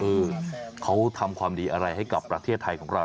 เขาทำความดีอะไรให้กับประเทศไทยของเรา